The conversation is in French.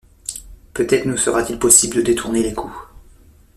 Peut-être nous sera-t-il possible de détourner les coups.